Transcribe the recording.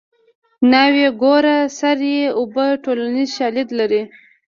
ناوې ګوره سر یې اوبه ټولنیز شالید لري